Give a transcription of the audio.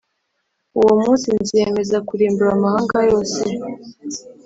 Uwo munsi nziyemeza kurimbura amahanga yose